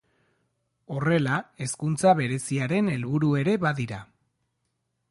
Horrela, hezkuntza bereziaren helburu ere badira.